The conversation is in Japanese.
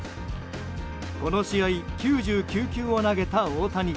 この試合、９９球を投げた大谷。